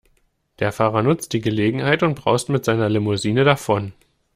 Der Fahrer nutzt die Gelegenheit und braust mit seiner Limousine davon.